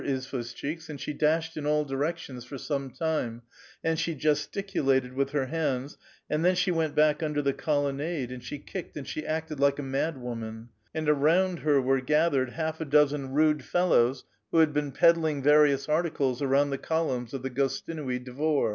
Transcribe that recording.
shchtks^ and she dashed in all directions for some time, and she ges ticulated with her hands, and then she went back under the colonnade, and she kicked and she acted like a mad woman ; and around her were gathered half a dozen rude fellows, who had been peddling various articles around the columns of the Gostinui Dvor.